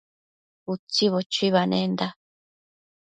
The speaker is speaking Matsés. Utsibo chuibanenda